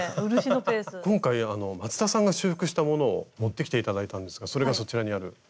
今回松田さんが修復したものを持ってきて頂いたんですがそれがそちらにある。